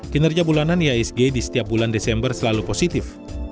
kinerja bulanan iisg di setiap bulan desember selalu positif